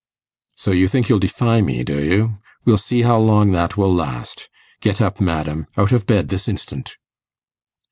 'So you think you'll defy me, do you? We'll see how long that will last. Get up, madam; out of bed this instant!